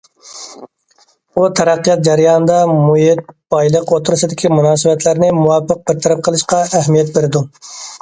ئۇ تەرەققىيات جەريانىدا مۇھىت، بايلىق ئوتتۇرىسىدىكى مۇناسىۋەتلەرنى مۇۋاپىق بىر تەرەپ قىلىشقا ئەھمىيەت بېرىدۇ.